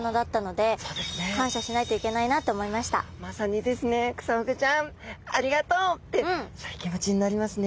まさにですね「クサフグちゃんありがとう」ってそういう気持ちになりますね。